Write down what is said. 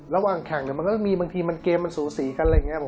ระหว่างแข่งมันก็จะมีบางทีมันเกมมันสูสีกันอะไรอย่างนี้